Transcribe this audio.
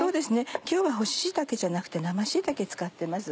今日は干し椎茸じゃなくて生椎茸使ってます。